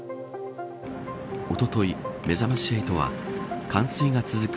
おととい、めざまし８は冠水が続く